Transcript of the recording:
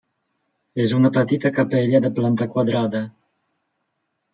És una petita capella de planta quadrada.